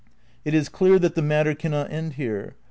It is clear that the matter cannot end here.